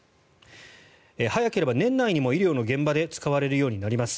早ければ年内にも、医療の現場で使われるようになります。